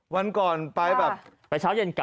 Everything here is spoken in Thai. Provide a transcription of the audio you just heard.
วันก่อนไปแบบ